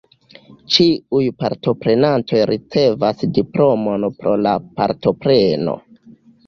Ĉiuj partoprenantoj ricevas diplomon pro la partopreno.